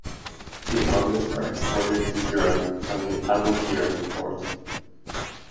The almonds were exported to Europe from the Aboukir port.